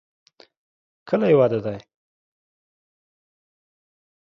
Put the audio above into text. کله یې واده دی؟